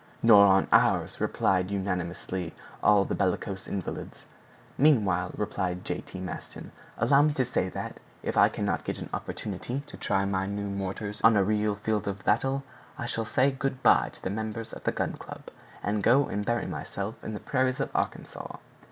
"Nor on ours," replied unanimously all the bellicose invalids. "Meanwhile," replied J. T. Maston, "allow me to say that, if I cannot get an opportunity to try my new mortars on a real field of battle, I shall say good by to the members of the Gun Club, and go and bury myself in the prairies of Arkansas!"